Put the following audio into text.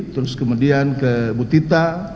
terus kemudian ke butita